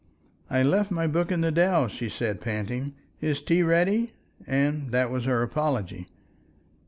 "I left my book in the dell," she said, panting. "Is tea ready?" and that was her apology.